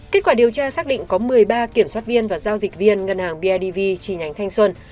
kết quả điều tra xác định có một mươi ba kiểm soát viên và giao dịch viên ngân hàng bidv chi nhánh thanh xuân